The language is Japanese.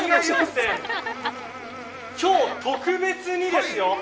今日は特別にですよ。